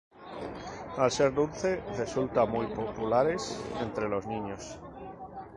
Al ser dulce resultan muy populares entre los niños.